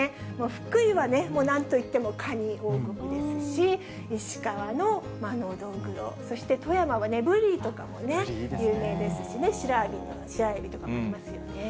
福井はね、もうなんといっても、かに王国ですし、石川ののどぐろ、そして富山はね、ぶりとかもね、有名ですしね、白えびとかもありますよね。